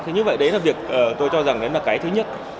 thế như vậy đấy là việc tôi cho rằng đấy là cái thứ nhất